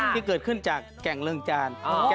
โปรดติดตามต่อไป